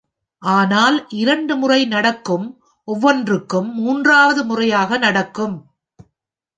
ஆனால் இரண்டு முறை நடக்கும் ஒவ்வொன்றும் மூன்றாவது முறையாக நடக்கும்.